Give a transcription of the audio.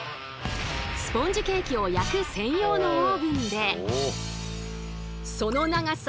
スポンジケーキを焼く専用のオーブンで。